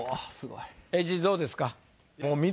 ＨＧどうですか？